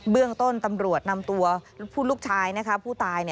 เรื่องต้นตำรวจนำตัวลูกชายผู้ตาย